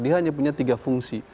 dia hanya punya tiga fungsi